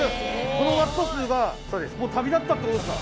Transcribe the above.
このワット数がもう旅立ったってことですか？